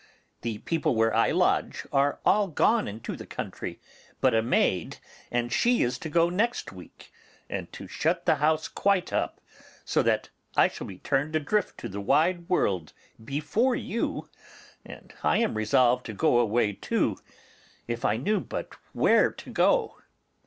The people where I lodge are all gone into the country but a maid, and she is to go next week, and to shut the house quite up, so that I shall be turned adrift to the wide world before you, and I am resolved to go away too, if I knew but where to go.